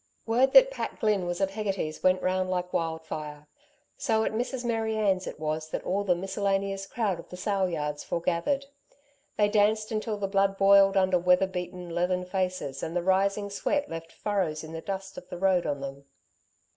Word that Pat Glynn was at Hegarty's went round like wildfire. So at Mrs. Mary Ann's it was that all the miscellaneous crowd of the sale yards foregathered. They danced until the blood boiled under weather beaten, leathern faces, and the rising sweat left furrows in the dust of the road on them.